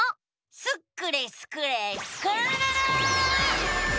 スクれスクれスクるるる！